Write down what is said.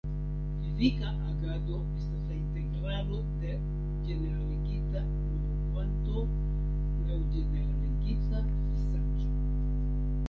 Fizika agado estas la integralo de ĝeneraligita movokvanto laŭ ĝeneraligita distanco.